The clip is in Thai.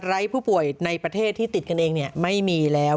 ผู้ป่วยในประเทศที่ติดกันเองไม่มีแล้ว